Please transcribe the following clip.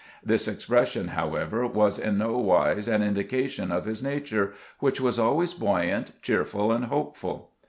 This expres sion, however, was in no wise an indication of his na ture, which was always buoyant, cheerful, and hopeful.